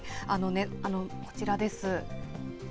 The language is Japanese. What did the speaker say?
こちらです。